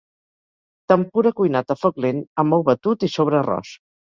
Tempura cuinat a foc lent amb ou batut i sobre arròs.